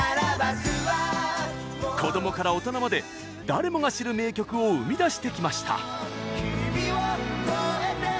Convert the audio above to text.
子どもから大人まで、誰もが知る名曲を生み出してきました。